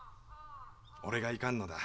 俺がいかんのだ。